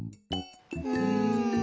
うん。